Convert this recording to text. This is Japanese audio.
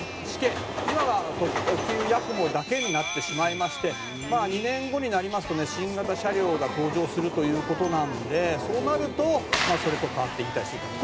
「今は特急やくもだけになってしまいまして２年後になりますとね新型車両が登場するという事なんでそうなるとそれと替わって引退する」